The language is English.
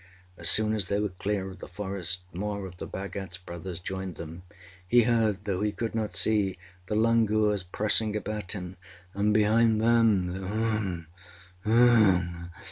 As soon as they were clear of the forest more of the Bhagatâs brothers joined them. He heard, though he could not see, the langurs pressing about him, and behind them the uhh! uhh!